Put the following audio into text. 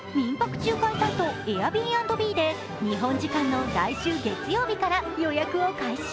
仲介サイト、Ａｉｒｂｍｂで日本時間の今週月曜日から予約を開始。